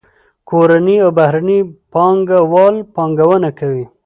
کورني او بهرني پانګه وال پانګونه کوي.